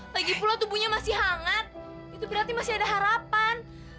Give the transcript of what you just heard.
lagipula tubuhnya masih hangat itu berarti masih ada harapan